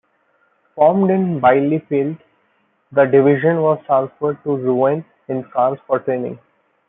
Formed in Bielefeld, the division was transferred to Rouen in France for training.